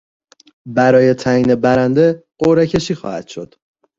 برای تعیین برنده قرعهکشی خواهد شد.